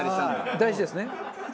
大事ですね。